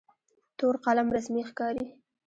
تور قلم رسمي ښکاري.